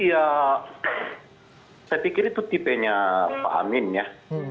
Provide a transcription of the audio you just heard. ya saya pikir itu tipenya pak amin ya